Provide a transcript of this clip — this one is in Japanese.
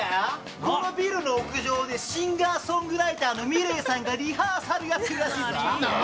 このビルの屋上でシンガーソングライターのｍｉｌｅｔさんがリハーサルやってるらしいぞ！